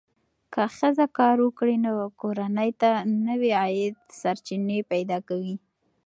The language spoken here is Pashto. که ښځه کار وکړي، نو کورنۍ ته نوې عاید سرچینې پیدا کوي.